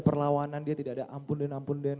perlawanan dia tidak ada ampun dan ampun